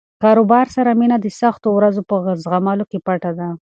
له کاروبار سره مینه د سختو ورځو په زغملو کې پټه ده.